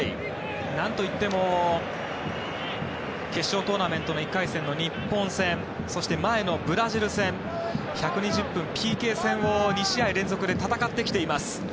何といっても決勝トーナメント１回戦の日本戦、そして前のブラジル戦と１２０分ＰＫ戦を２試合連続で戦ってきています。